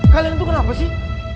kalian itu kenapa sih